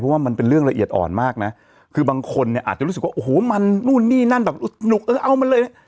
เพราะว่ามันเป็นเรื่องละเอียดอ่อนมากนะคือบางคนเนี่ยอาจจะรู้สึกว่าโอ้โหมันนู่นนี่นั่นแบบสนุกเออเอามันเลย